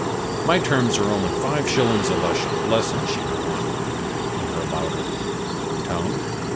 My terms are only five shillings a lesson," she went on, in her louder tone.